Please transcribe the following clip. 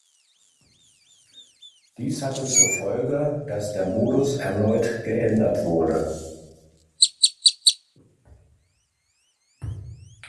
Dies hatte zur Folge, dass der Modus erneut geändert wurde.